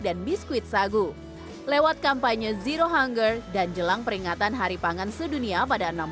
dan biskuit sagu lewat kampanye zero hunger dan jelang peringatan hari pangan sedunia pada enam belas